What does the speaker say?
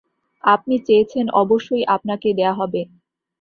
আপনি চেয়েছেন, অবশ্যই আপনাকে দেয়া হবে।